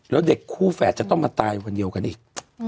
แล้วเด็กคู่แฝดจะต้องมาตายวันเดียวกันอีก